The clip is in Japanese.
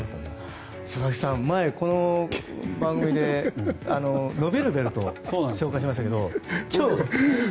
佐々木さん、前この番組で伸びるベルトを紹介しましたが、今日。